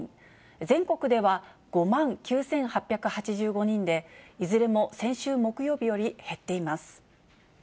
全国では５万９８８５人で、いずれも先週木曜日より減っています。